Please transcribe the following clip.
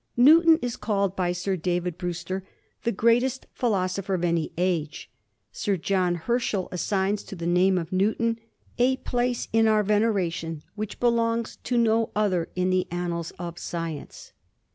Newton is called by Sir David Brewster the greatest philosopher of any age. Sir John Herschel assigns to the name of Newton * a place in our veneration which belongs to no other in the annals of science.'